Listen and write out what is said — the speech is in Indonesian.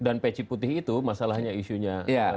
dan pecik putih itu masalahnya isunya